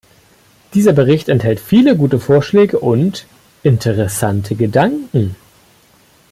Dieser Bericht enthält viele gute Vorschläge und interessante Gedanken.